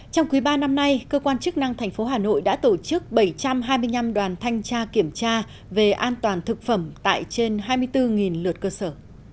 trong quý ba năm nay cơ quan chức năng thành phố hà nội đã tổ chức bảy trăm hai mươi năm đoàn thanh tra kiểm tra về an toàn thực phẩm tại trên hai mươi bốn lượt cơ sở